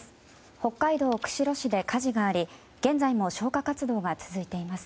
北海道釧路市で火事があり現在も消火活動が続いています。